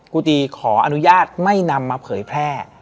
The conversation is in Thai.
กูตีขออนุญาตไม่นำมาเผยแพร่